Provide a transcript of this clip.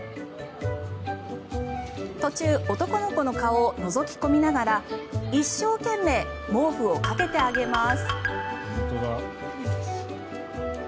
途中、男の子の顔をのぞき込みながら一生懸命毛布をかけてあげます。